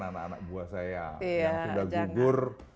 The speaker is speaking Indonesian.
anak anak buah saya yang sudah gugur